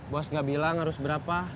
bos gak bilang harus berapa